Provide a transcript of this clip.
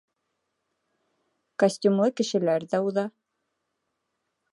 Костюмлы кешеләр ҙә уҙа.